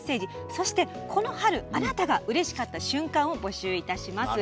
そして、「この春あなたがうれしかった瞬間」を募集いたします。